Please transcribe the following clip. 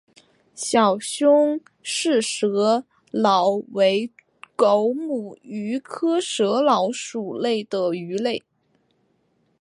小胸鳍蛇鲻为狗母鱼科蛇鲻属的鱼类。